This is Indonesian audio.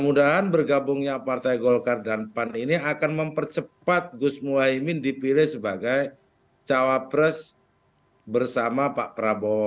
mudah mudahan bergabungnya partai golkar dan pan ini akan mempercepat gus muhaymin dipilih sebagai cawapres bersama pak prabowo